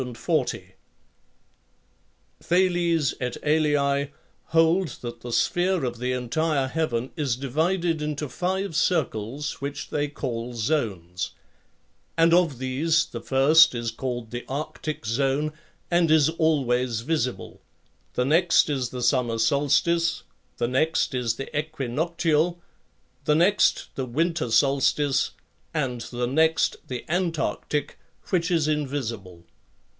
Thales et al. hold that the sphere of the entire heaven is divided into five circles which they call zones ; and of these the first is called the arctic zone, and is always visible, the next is the summer solstice, the next is the equinoctial, the next the winter solstice, and the next the antarctic, which is invisible.